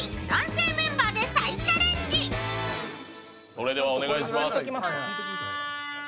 それではお願いします。